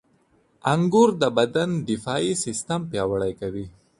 • انګور د بدن دفاعي سیستم پیاوړی کوي.